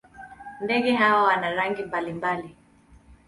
Ndege hawa wana rangi mbalimbali.